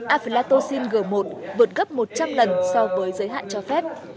aplatocin g một vượt gấp một trăm linh lần so với giới hạn cho phép